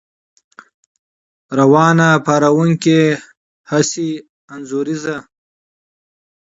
روانه، پارونکې، ، حسي، انځوريزه